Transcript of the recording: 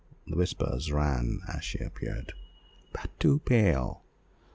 the whispers ran as she appeared, "but too pale."